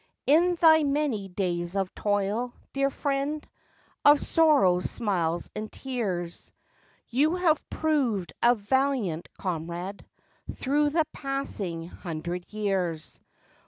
In thy many days of toil, dear friend, Of sorrows, smiles and tears. You have proved a valiant comrade, Through the passing hundred years.